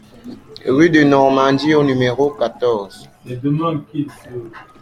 Rue du Normandie au numéro quatorze